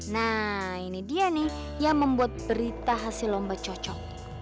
nah ini dia nih yang membuat berita hasil lomba cocok